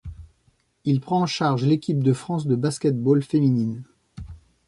Il prend en charge l'équipe de France de basket-ball féminine.